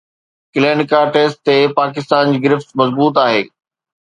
کليلنا test تي پاڪستان جي گرفت مضبوط آهي